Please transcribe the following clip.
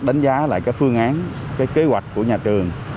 đánh giá lại các phương án kế hoạch của nhà trường